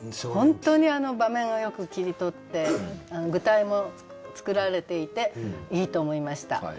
本当に場面をよく切り取って具体も作られていていいと思いました。